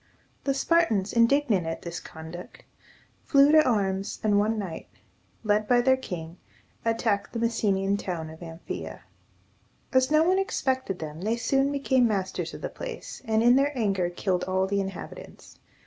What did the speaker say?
The Spartans, indignant at this conduct, flew to arms, and one night, led by their king, attacked the Messenian town of Am phe´a. As no one expected them, they soon became masters of the place, and in their anger killed all the inhabitants.